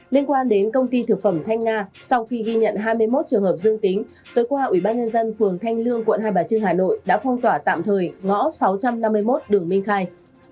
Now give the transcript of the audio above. liên quan đến công ty thực phẩm thanh nga sau khi ghi nhận hai mươi một trường hợp dương tính tối qua ủy ban nhân dân phường thanh lương quận hai bà trưng hà nội đã phong tỏa tạm thời ngõ sáu trăm năm mươi một đường minh khai